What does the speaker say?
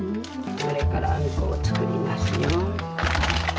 これからあんこを作りますよ。